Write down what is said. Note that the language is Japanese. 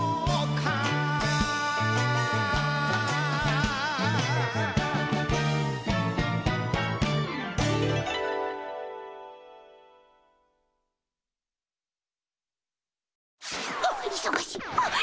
はあいそがしい！